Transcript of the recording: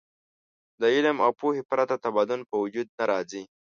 د علم او پوهې پرته تمدن په وجود نه راځي.